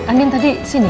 andin tadi sini